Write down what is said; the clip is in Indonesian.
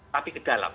tapi ke dalam